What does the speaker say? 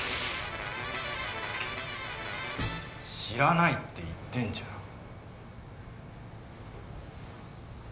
知らないって言ってんじゃん。